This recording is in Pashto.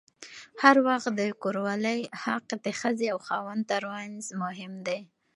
هر وخت د کوروالې حق د ښځې او خاوند ترمنځ مهم دی.